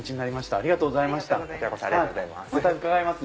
ありがとうございます。